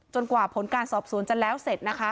กว่าผลการสอบสวนจะแล้วเสร็จนะคะ